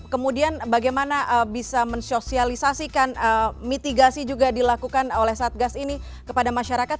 kemudian bagaimana bisa mensosialisasikan mitigasi juga dilakukan oleh satgas ini kepada masyarakat